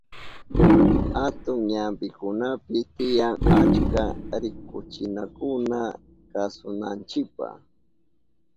Atun ñampikunapi tiyan achka rikuchinakuna kasunanchipa.